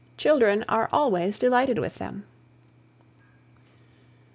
Children are always delighted with them.